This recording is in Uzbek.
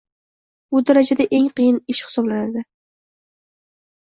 Bu daraja eng qiyin hisoblanadi